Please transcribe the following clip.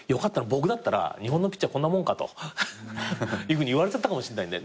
僕だったら「日本のピッチャーこんなもんか」というふうに言われちゃったかもしれないんで。